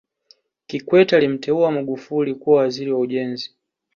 kikwete alimteua magufuli kuwa waziri wa ujenzi